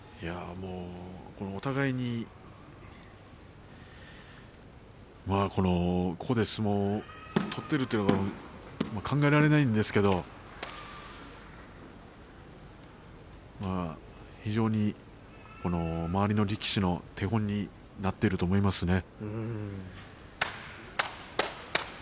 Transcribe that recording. お互いにここで相撲を取っているというのが、考えられないんですけれど非常に周りの力士の手本になっていると思いますね。